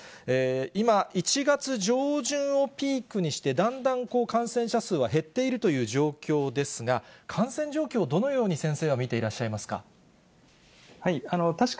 今、１月上旬をピークにして、だんだん感染者数は減っているという状況ですが、感染状況、どのように先生は見ていらっしゃいますか。